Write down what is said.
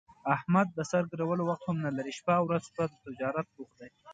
احمد د سر ګرولو وخت هم نه لري، شپه اورځ په تجارت بوخت دی.